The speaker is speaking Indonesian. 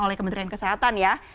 oleh kementerian kesehatan ya